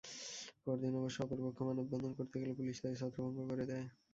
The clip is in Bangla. পরদিন অবশ্য অপরপক্ষ মানববন্ধন করতে গেলে পুলিশ তাদের ছত্রভঙ্গ করে দেয়।